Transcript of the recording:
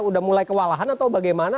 udah mulai kewalahan atau bagaimana